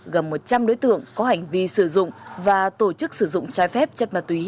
gần một trăm linh đối tượng có hành vi sử dụng và tổ chức sử dụng trái phép chất ma túy